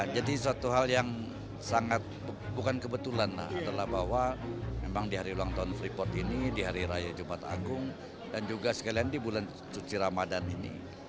jadi suatu hal yang sangat bukan kebetulan adalah bahwa memang di hari ulang tahun freeport ini di hari raya jumat agung dan juga sekalian di bulan cuci ramadan ini